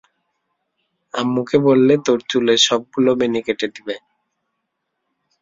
আম্মুকে বললে তোর চুলের সবগুলো বেনি কেটে দেব।